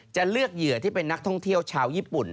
จะเลือกเหยื่อที่เป็นนักท่องเที่ยวชาวญี่ปุ่น